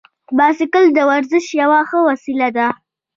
بایسکل د ورزش یوه ښه وسیله ده.